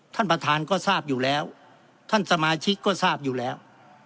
ท่านประธานก็ทราบอยู่แล้วท่านสมาชิกก็ทราบอยู่แล้ว